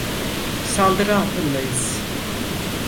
Saldırı altındayız.